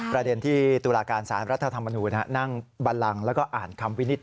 ประเด็นที่ตุลาการสารรัฐธรรมนูญนั่งบันลังแล้วก็อ่านคำวินิจ